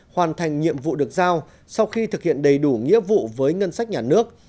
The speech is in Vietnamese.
hoàn thành nhiệm vụ được giao sau khi thực hiện đầy đủ nghĩa vụ với ngân sách nhà nước